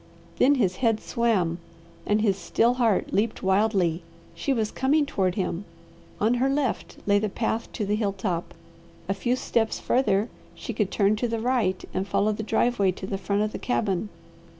Then his head swam, and his still heart leaped wildly. She was coming toward him. On her left lay the path to the hill top. A few steps farther she could turn to the right and follow the driveway to the front of the cabin.